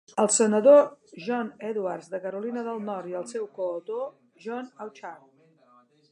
El senador John Edwards de Carolina del Nord i el seu coautor, John Auchard.